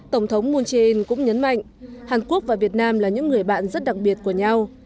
tổng thống moon jae in cũng nhấn mạnh hàn quốc và việt nam là những người bạn rất đặc biệt của nhau